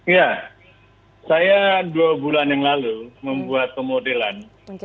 ya saya dua bulan yang lalu membuat pemodelan